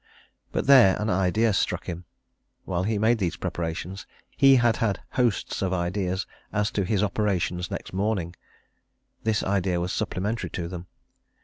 But there an idea struck him. While he made these preparations he had had hosts of ideas as to his operations next morning this idea was supplementary to them.